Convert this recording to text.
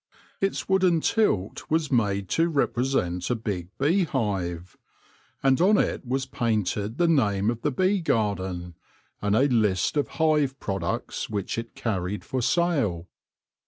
Its wooden tilt was made to represent a big beehive, and on it was painted the name of the bee garden and a list of hive products which it carried for sale.